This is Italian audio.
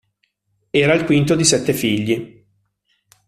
Era il quinto di sette figli.